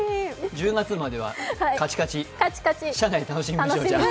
１０月まではカチカチ、楽しみましょう。